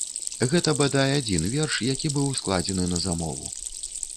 Гэта бадай адзін верш, які быў складзены на замову.